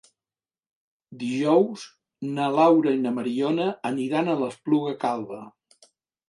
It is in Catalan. Dijous na Laura i na Mariona aniran a l'Espluga Calba.